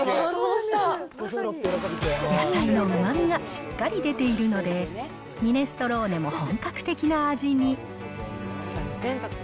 野菜のうまみがしっかり出ているので、ミネストローネも本格的な味に。